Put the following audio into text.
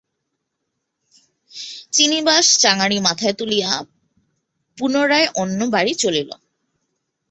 চিনিবাস চাঙাড়ি মাথায় তুলিয়া পুনরায় অন্য বাড়ি চলিল।